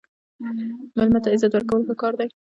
مېلمه ته عزت ورکول ښه کار دی.